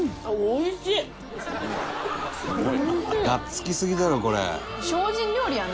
「がっつきすぎだろこれ」